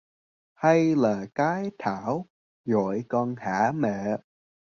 Hay là cái Thảo gọi con hả mẹ